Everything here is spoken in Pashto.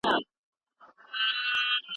هغه کتابونه چي استاد ښودلي دي ډېر ګټور دي.